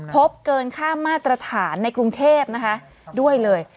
พบเกินค่ามาตรฐานในกรุงเทพนะคะด้วยเลย